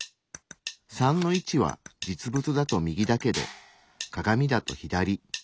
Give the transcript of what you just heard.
３の位置は実物だと右だけど鏡だと左。